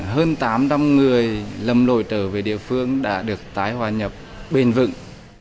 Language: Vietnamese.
hơn tám năm người lầm lội trở về địa phương đã được tái hòa nhập bền vựng